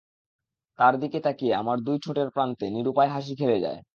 তার দিকে তাকিয়ে আমার দুই ঠোঁটের প্রান্তে নিরুপায় হাসি খেলে যায়।